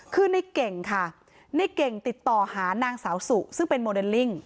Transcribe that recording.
คือในเก่งค่ะในเก่งติดต่อหานางสาวสุซึ่งเป็นโมเดลลิ่ง